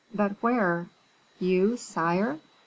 "But where? You, sire?"